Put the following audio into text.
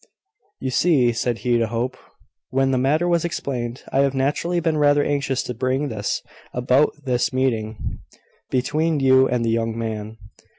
"You see," said he to Hope, when the matter was explained, "I have naturally been rather anxious to bring this about this meeting between you and the young man.